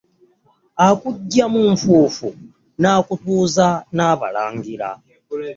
Akujja mu nfunfu n'akutuuza n'abalangira .